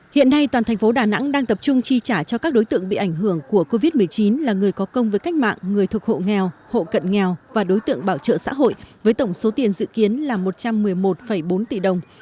hiện nay toàn thành phố đà nẵng đang tập trung chi trả cho các đối tượng bị ảnh hưởng của covid một mươi chín là người có công với cách mạng người thuộc hộ nghèo hộ cận nghèo và đối tượng bảo trợ xã hội với tổng số tiền dự kiến là một trăm một mươi một bốn tỷ đồng